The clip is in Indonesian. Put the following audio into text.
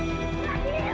gak ada bedanya